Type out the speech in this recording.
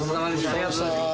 ありがとうございます。